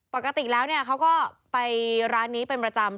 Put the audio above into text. ปกติแล้วเนี่ยเขาก็ไปร้านนี้เป็นประจำ